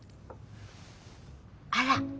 あら？